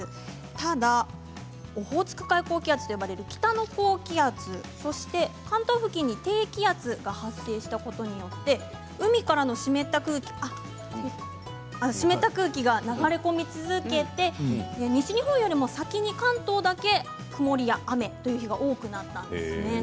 ただ、オホーツク海高気圧と呼ばれる北の高気圧、そして関東付近にある低気圧が発生したことによって海からの湿った空気が流れ込み続けて西日本よりも先に関東だけ曇りや雨の日が多くなったんです。